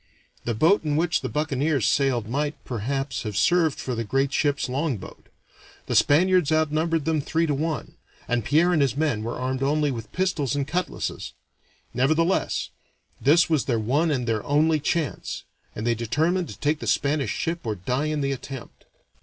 The boat in which the buccaneers sailed might, perhaps, have served for the great ship's longboat; the Spaniards outnumbered them three to one, and Pierre and his men were armed only with pistols and cutlasses; nevertheless this was their one and their only chance, and they determined to take the Spanish ship or to die in the attempt.